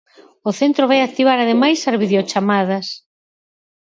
O centro vai activar ademais as videochamadas.